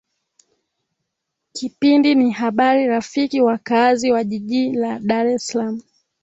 kipindi ni habari rafiki wakaazi wa jiji la dar es salaam